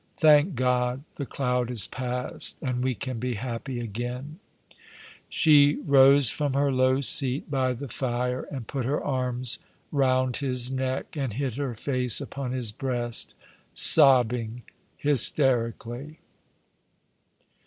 Thank God, the cloud is past, and we can be happy again !" She rose from her low seat by the fire, and put her arms round his neck, and hid her face upon his breast, sobbing hysterically.